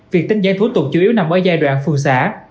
việc tính giải thủ tục chủ yếu nằm ở giai đoạn phường xã